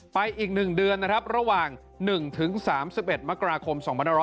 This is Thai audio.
ไปอีก๑เดือนระหว่าง๑๓๑มกราคม๒๖๖๖